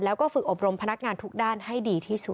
แล้วก็ฝึกอบรมพนักงานทุกด้านให้ดีที่สุด